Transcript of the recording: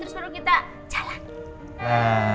terus baru kita jalan